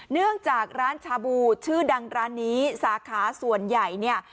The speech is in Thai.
เนื่องจากร้านชาบูชื่อดังร้านนี้สาขาส่วนใหญ่เนี่ย